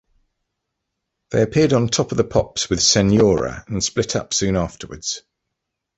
They appeared on "Top Of The Pops" with "Senora", and split up soon afterwards.